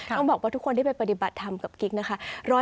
ต้องบอกว่าทุกคนที่ไปปฏิบัติธรรมกับกิ๊กนะคะ